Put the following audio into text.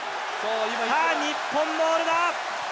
さあ、日本のボールだ。